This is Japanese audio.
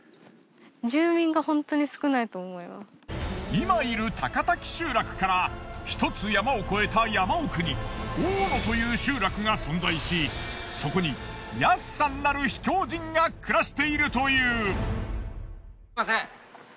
今いる高滝集落から１つ山を越えた山奥に大野という集落が存在しそこにヤスさんなる秘境人が暮らしているという。